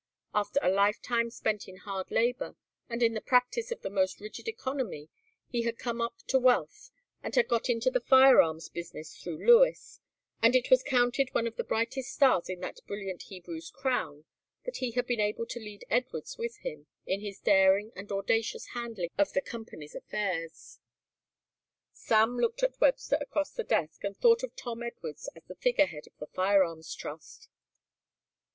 After a lifetime spent in hard labour and in the practice of the most rigid economy he had come up to wealth, and had got into the firearms business through Lewis, and it was counted one of the brightest stars in that brilliant Hebrew's crown that he had been able to lead Edwards with him in his daring and audacious handling of the company's affairs. Sam looked at Webster across the desk and thought of Tom Edwards as the figurehead of the firearms trust.